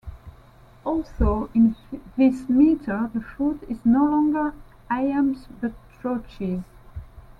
Although in this meter the foot is no longer iambs but trochees.